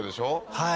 はい。